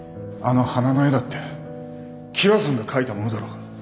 あの花の絵だって喜和さんが描いたものだろう